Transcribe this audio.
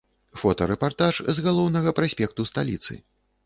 Фотарэпартаж з галоўнага праспекту сталіцы.